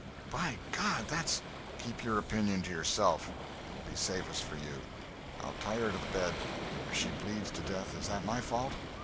"By God, that's—" "Keep your opinion to yourself! It will be safest for you. I'll tie her to the bed. If she bleeds to death, is that my fault?